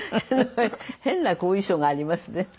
変な後遺症がありますね。